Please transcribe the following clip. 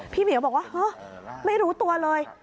พี่เหมียวบอกว่าไม่รู้ตัวเลย